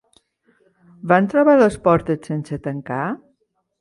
Van trobar les portes sense tancar?